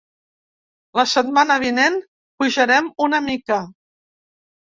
La setmana vinent pujarem una mica.